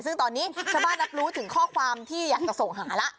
ซึ่งตอนนี้ชาวบ้านรับรู้ถึงข้อความที่อยากจะส่งหาแล้ว